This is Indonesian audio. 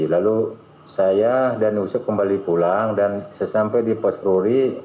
lalu saya dan yusuf kembali pulang dan sesampai di pospori